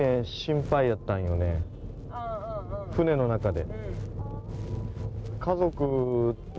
船の中で。